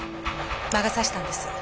魔が差したんです。